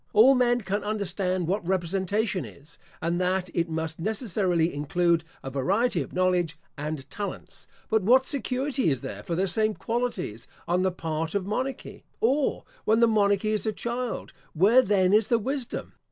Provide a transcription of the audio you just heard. All men can understand what representation is; and that it must necessarily include a variety of knowledge and talents. But what security is there for the same qualities on the part of monarchy? or, when the monarchy is a child, where then is the wisdom?